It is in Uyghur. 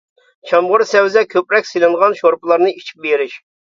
چامغۇر، سەۋزە كۆپرەك سېلىنغان شورپىلارنى ئىچىپ بېرىش.